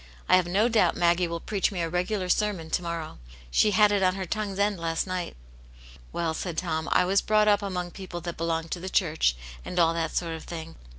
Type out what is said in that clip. I have no doubt Maggie will preach me a regular sermon to morrow. She had it on her tongue's end last night." " Well," said Tom, " I was brought up among f)eople that belong to the church, and all that sort of thing.